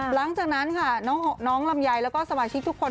หลังจากนั้นค่ะน้องลำไยแล้วก็สมาชิกทุกคน